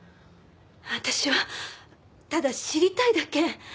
私はただ知りたいだけ。